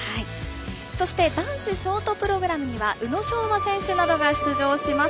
そして男子ショートプログラムには宇野昌磨選手などが出場します。